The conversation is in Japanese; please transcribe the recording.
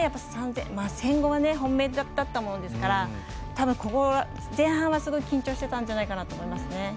１５００が本命だったものですからたぶん、前半はすごい緊張してたんじゃないかと思いますね。